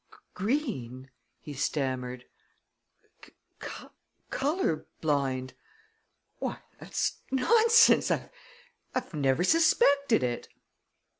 "Green!" he stammered. "Color blind! Why, that's nonsense! I've never suspected it!"